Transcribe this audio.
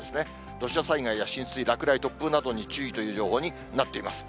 土砂災害や浸水、落雷、突風などにも注意という情報になっています。